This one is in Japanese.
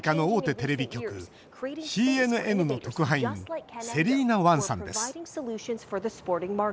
テレビ局ＣＮＮの特派員、セリーナ・ワンさんです。